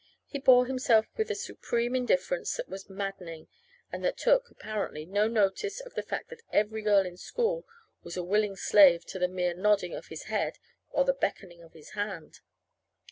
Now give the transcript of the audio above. He bore himself with a supreme indifference that was maddening, and that took (apparently) no notice of the fact that every girl in school was a willing slave to the mere nodding of his head or the beckoning of his hand.